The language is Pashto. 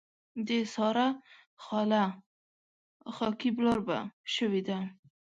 د سارا خاله خاکي بلاربه شوې ده.